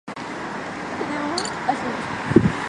徐麒麟是台湾的漫画家。